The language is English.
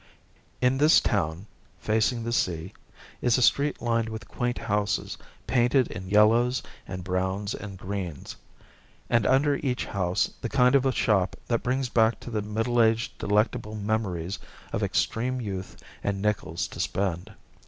In this town, facing the sea, is a street lined with quaint houses painted in yellows and browns and greens, and under each house the kind of a shop that brings back to the middleaged delectable memories of extreme youth and nickels to spend.